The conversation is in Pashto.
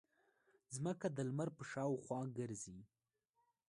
ځمکه د لمر په شاوخوا ګرځي.